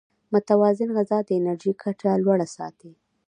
متوازن غذا د انرژۍ کچه لوړه ساتي.